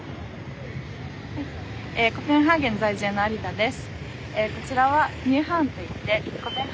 コペンハーゲン在住の有田です。